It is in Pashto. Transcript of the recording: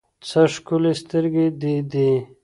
څه ښکلي سترګې دې دي